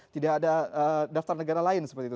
tidak ada daftar negara lain seperti itu